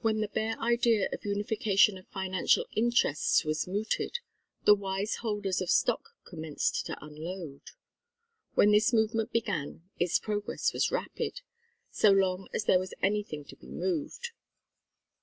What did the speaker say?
When the bare idea of unification of financial interests was mooted, the wise holders of stock commenced to unload. When this movement began its progress was rapid so long as there was anything to be moved.